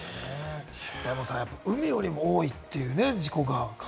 大門さん、海よりも多いっていう、事故が。